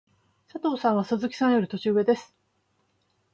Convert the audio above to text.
佐藤さんは鈴木さんより年上です。